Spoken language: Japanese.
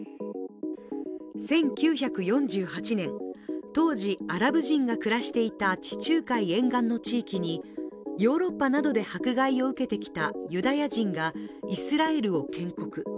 １９４８年、当時アラブ人が暮らしていた地中海沿岸の地域にヨーロッパなどで迫害を受けてきたユダヤ人がイスラエルを建国。